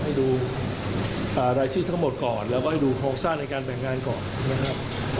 ให้ดูรายชื่อทั้งหมดก่อนแล้วก็ให้ดูโครงสร้างในการแบ่งงานก่อนนะครับ